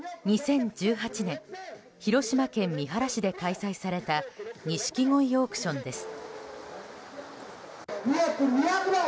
２０１８年広島県三原市で開催されたニシキゴイオークションです。